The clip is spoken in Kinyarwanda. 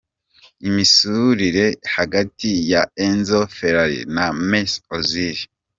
Imisusire hagati ya Enzo Ferrari na Mesut Ozil.